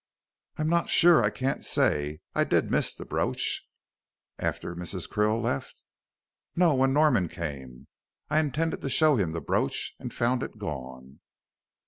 "I'm not sure I can't say I did miss the brooch " "After Mrs. Krill left?" "No, when Norman came. I intended to show him the brooch and found it gone."